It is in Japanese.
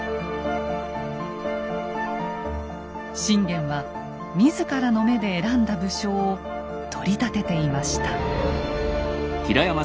信玄は自らの目で選んだ武将を取り立てていました。